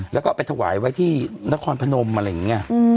แล้วก็ไปถวายไว้ที่นครพนมอะไรอย่างนี้